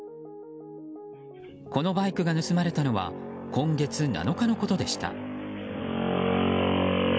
このバイクが盗まれたのは今月７日のことでした。